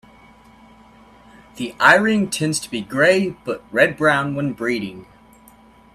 The eye ring tends to be grey but red-brown when breeding.